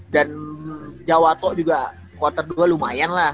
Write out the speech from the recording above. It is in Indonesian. dan jawato juga quarter dua lumayan lah